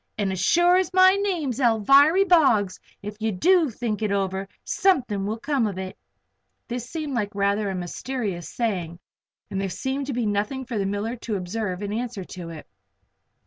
And as sure as my name's Alviry Boggs, if you do think it over, something will come of it!" This seemed like a rather mysterious saying, and there seemed to be nothing for the miller to observe in answer to it.